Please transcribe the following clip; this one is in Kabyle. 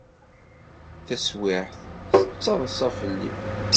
Taswiεt, tettaḍsa fell-i.